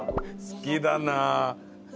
好きだな。